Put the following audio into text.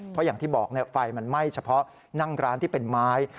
เพราะอย่างที่บอกไฟมันไหม้เฉพาะนั่งร้านที่เป็นไม้